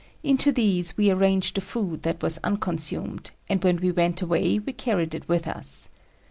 Into these we arranged the food that was unconsumed, and when we went away we carried it with us.